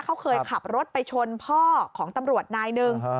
เขาเคยขับรถไปชนพ่อของตำรวจนายหนึ่ง